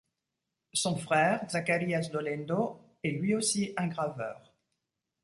Son frère, Zacharias Dolendo, est lui aussi un graveur.